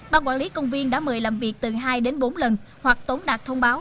ban quản lý công viên đã mời làm việc từ hai đến bốn lần hoặc tốn đạt thông báo